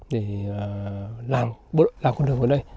để làm con đường vào đây